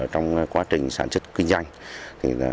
trong quá trình sản xuất kinh doanh